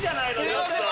すいません